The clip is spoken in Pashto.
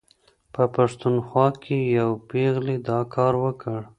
په پښتونخوا کې یوې پېغلې دا کار وکړ.